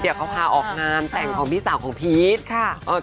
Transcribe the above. เขาพาออกงานแต่งของพี่สาวของพีช